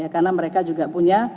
karena mereka juga punya